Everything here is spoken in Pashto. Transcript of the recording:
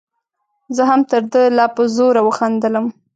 زه هم تر ده لا په زوره وخندلم.